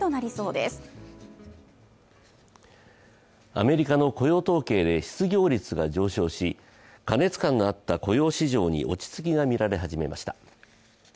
アメリカの雇用統計で失業率が上昇し、過熱感があった雇用市場に落ち着きがみられ始めました。